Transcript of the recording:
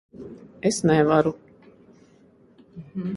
Es nevaru.